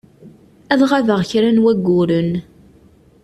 Ad ɣabeɣ kra n wayyuren.